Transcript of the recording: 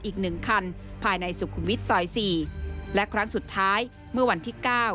อีก๑คันภายในสุขุมวิทย์ซอย๔และครั้งสุดท้ายเมื่อวันที่๙